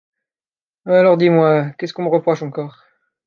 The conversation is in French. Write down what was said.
Alors dis-moi : qu’est-ce qu’on me reproche, encore ?